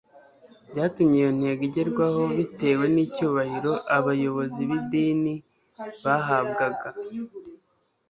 byatumye iyo ntego igerwaho bitewe n'icyubahiro abayobozi b'idini bahabwaga.